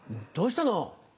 どうしたの？